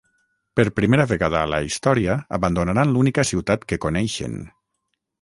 Per primera vegada a la història, abandonaran l’única ciutat que coneixen.